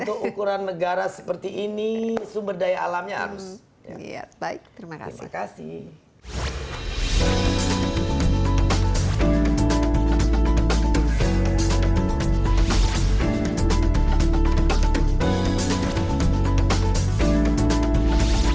untuk ukuran negara seperti ini sumber daya alamnya harus